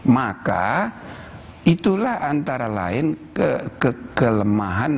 maka itulah antara lain kekelemahan